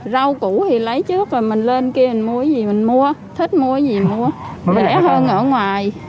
rau củ thì lấy trước rồi mình lên kia mình mua cái gì mình mua thích mua cái gì mình mua lẻ hơn ở ngoài